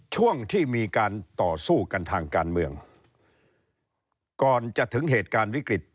ช่วงที่มีการต่อสู้กันทางการเมืองก่อนจะถึงเหตุการณ์วิกฤต